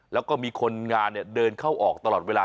แล้วก็มีคนงานเดินเข้าออกตลอดเวลา